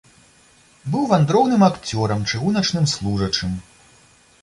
Быў вандроўным акцёрам, чыгуначным служачым.